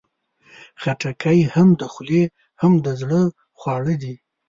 خټکی هم د خولې، هم د زړه خواړه دي.